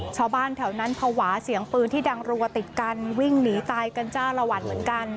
ชาวบ้านแถวนั้นภาวะเสียงปืนที่ดังรัวติดกันวิ่งหนีตายกันจ้าละวันเหมือนกัน